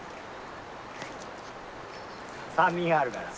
酸味があるから。